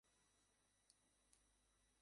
সমস্যা নেই, আসতে তো তোমায় হবেই।